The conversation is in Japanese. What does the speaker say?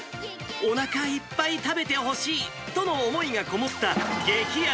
おなかいっぱい食べてほしいとの思いが込もった激安！